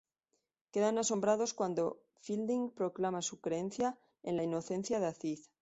Quedan asombrados cuando Fielding proclama su creencia en la inocencia de Aziz.